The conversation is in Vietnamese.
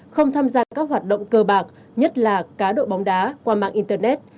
không tham gia các hoạt động cơ bạc nhất là cá độ bóng đá qua mạng internet